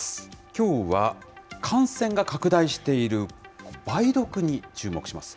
きょうは、感染が拡大している梅毒に注目します。